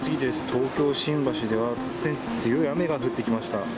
東京・新橋では突然、強い雨が降ってきました。